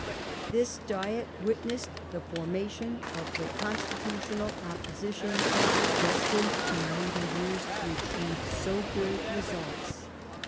This Diet witnessed the forma tion of the constitutional opposition, destined, in later years, to achieve so great results.